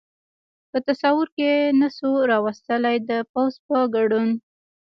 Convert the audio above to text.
په تصور کې نه شوای را وستلای، د پوځ په ګډون.